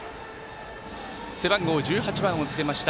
背番号１８番をつけました